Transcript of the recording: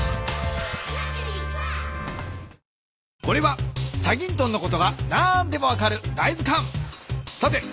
これは『チャギントン』のことが何でも分かるだい